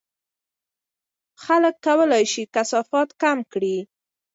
خلک کولای شي کثافات کم کړي.